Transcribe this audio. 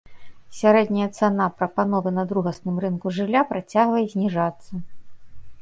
Сярэдняя цана прапановы на другасным рынку жылля працягвае зніжацца.